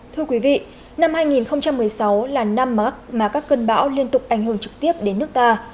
thưa quý vị năm hai nghìn một mươi sáu là năm mà các cơn bão liên tục ảnh hưởng trực tiếp đến nước ta